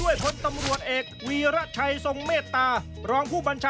ยาหู้